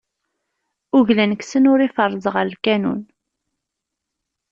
Uglan kksen, ur ifeṛṛez ɣer lkanun.